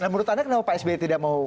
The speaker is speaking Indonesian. menurut anda kenapa pak sby tidak mau